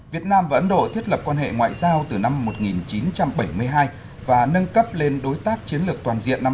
việt nam và ấn độ thiết lập quan hệ ngoại giao từ năm một nghìn chín trăm bảy mươi hai và nâng cấp lên đối tác chiến lược toàn diện năm hai nghìn một mươi ba